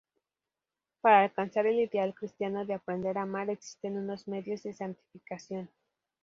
Para alcanzar el ideal cristiano de "aprender a amar", existen unos medios de santificación.